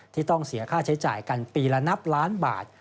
ที่ต้องเสียค่าใช้จ่ายกันปีละนับล้านบาท